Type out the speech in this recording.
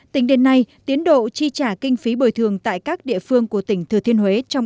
tính đến nay tiến độ chi trả kinh phí bồi thường tại các địa phương của tỉnh thừa thiên huế trong